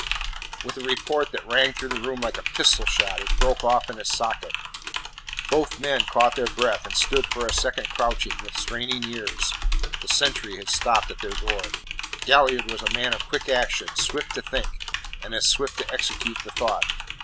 With a report that rang through the room like a pistol shot, it broke off in its socket. Both men caught their breath, and stood for a second crouching, with straining ears. The sentry had stopped at their door. Galliard was a man of quick action, swift to think, and as swift to execute the thought.